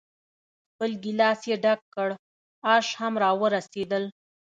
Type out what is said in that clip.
خپل ګیلاس یې ډک کړ، آش هم را ورسېدل.